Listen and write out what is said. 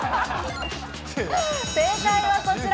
正解はこちら。